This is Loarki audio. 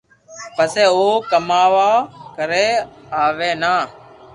پسي او ڪاوُ ڪري اوي نہ